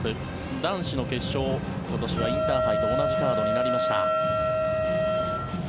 男子の決勝、今年はインターハイと同じカードになりました。